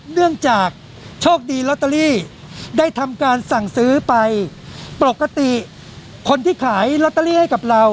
เนื่องจากโชคดีลอตเตอรี่ได้ทำการสั่งซื้อไปปกติคนที่ขายลอตเตอรี่ให้กับเรา